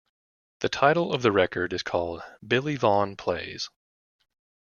The title of the record is called "Billy Vaughn Plays".